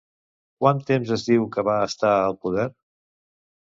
Quant temps es diu que va estar al poder?